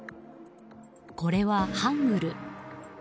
これはハングル。